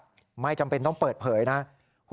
สุดที่การแกร่งเปิดเพลยจหนุ่มทุกไปแล้วครับ